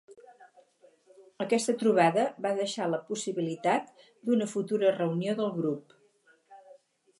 Aquesta trobada va deixar la possibilitat d'una futura reunió del grup.